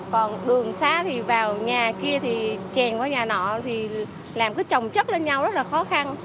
còn đường xá thì vào nhà kia thì chèn vào nhà nọ thì làm cái trồng chất lên nhau rất là khó khăn